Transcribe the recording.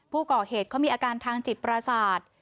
ผู้ก่อเหตุเขามีอาการทางจิตประสาท